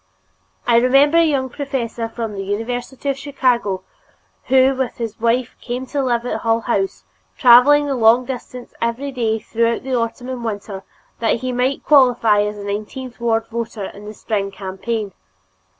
I remember a young professor from the University of Chicago who with his wife came to live at Hull House, traveling the long distance every day throughout the autumn and winter that he might qualify as a nineteenth ward voter in the spring campaign.